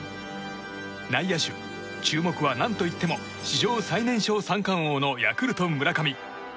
内野手注目は何といっても史上最年少三冠王のヤクルト村上。